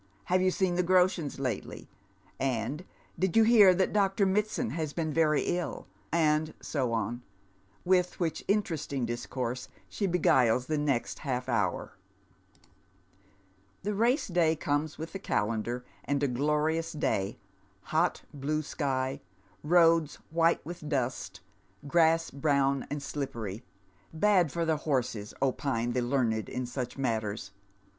" Have you seen the Groshens lately ?" and " Did you hear that Dr. Mitsand has been very ill ?" and so on ; with which interesting discourse she beguiles the next half hour. The race day comes with the calendar, and a glorious day, hot blue sky, roads white with dust, grass brown and slijjpery, bad for the horses, opine the learned in such matters.